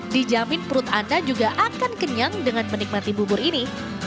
dijamin perut anda juga akan kenyang dengan menikmati bubur ini